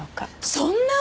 そんな！